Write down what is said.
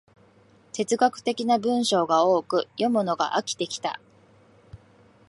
哲学的な文章が多く、読むのが飽きてきた